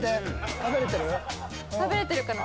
食べれてるかな。